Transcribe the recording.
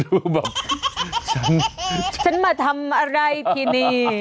ดูแบบฉันมาทำอะไรที่นี่